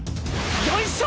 よいしょ！